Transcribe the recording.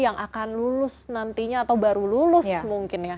yang akan lulus nantinya atau baru lulus mungkin ya